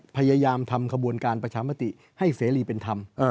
พยายามทำขบวนการประชามติให้เสรีเป็นธรรม